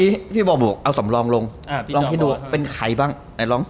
อเจมส์เอาสำรองลงลองให้ดูเป็นใครบ้าง